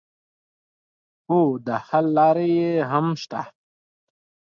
خو د حل لارې یې هم شته.